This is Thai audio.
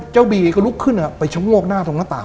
เจ้าเบีกก็ลุกขึ้นอ่ะไปชงวกหน้าตรงล่างต่าง